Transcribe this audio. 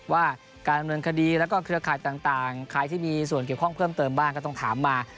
ว่าการดำเนินคดีแล้วก็เครือข่ายต่างใครที่มีส่วนเกี่ยวข้องเพิ่มเติมบ้างก็ต้องถามมา